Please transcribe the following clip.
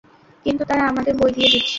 কিন্তু তারা আমাদের বই দিয়ে দিচ্ছে।